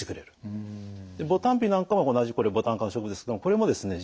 牡丹皮なんかも同じこれボタン科の植物ですけどもこれもですね